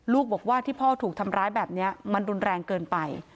บอกว่าที่พ่อถูกทำร้ายแบบนี้มันรุนแรงเกินไป